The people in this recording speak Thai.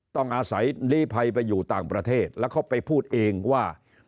ต้องอาศัยลีภัยไปอยู่ต่างประเทศแล้วเขาไปพูดเองว่า